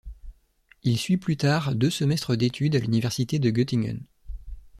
Il suit plus tard deux semestres d'études à l'université de Göttingen.